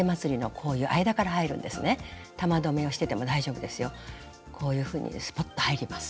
こういうふうにスポッと入ります。